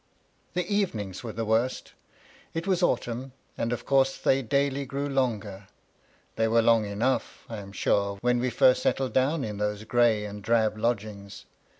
VOL. I. B 2 Boon) THE SOFA. The erenings were the worst It was aatomii, and of coarse they daily grew longer: they were long enough, I am sore, when we first settled down in those gray and drab lodgings.